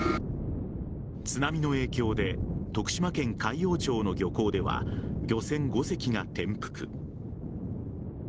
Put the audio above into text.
津波の影響で徳島県海陽町の漁港では漁船５隻が転覆。